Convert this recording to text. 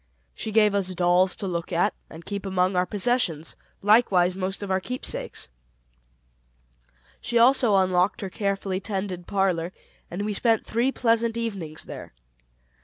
She gave us our dolls to look at, and keep among our possessions, likewise most of our keepsakes. She also unlocked her carefully tended parlor and we three spent pleasant evenings there.